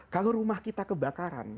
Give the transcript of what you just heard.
kalau rumah kita kebakaran